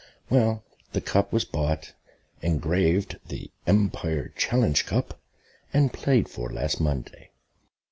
Well, the cup was bought, engraved "The Empire Challenge Cup," and played for last Monday.